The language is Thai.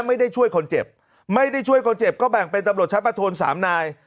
ไม่ได้ช่วยคนเจ็บก็แบ่งไปตำรวจชั้นประทน๓นาย